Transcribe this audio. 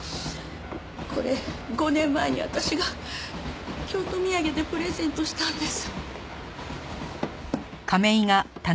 これ５年前に私が京都土産でプレゼントしたんです。